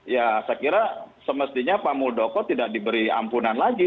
ya saya kira semestinya pak muldoko tidak diberi ampunan lagi